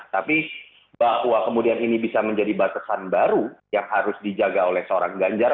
tapi bahwa kemudian ini bisa menjadi batasan baru yang harus dijaga oleh seorang ganjar